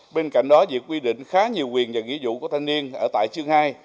bên cạnh đó việc quy định khá nhiều quyền và nghĩa vụ của thanh niên ở tại chương hai